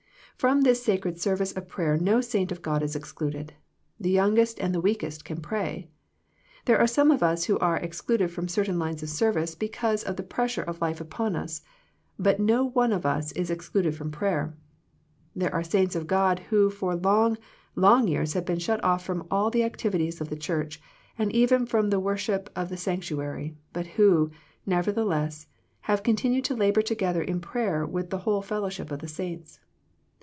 From this sacred service of prayer no saint of God is excluded ; the youngest and the weakest can pray. There are some of us who are ex cluded from certain lines of service because of the pressure of life upon us, but no one of us is excluded from prayer. There are saints of God who for long, long years have been shut off from all the activities of the Church, and even from the worship of the sanctuary, but who, nevertheless, have continued to labour together in prayer with the whole fellowship of the saints.